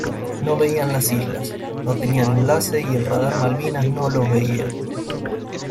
No veían las islas, no tenían enlace y el radar Malvinas no los veía.